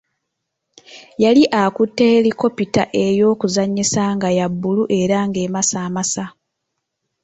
Yali akutte helikopita ey'okuzannyisa nga ya bbulu era ng'emasamasa.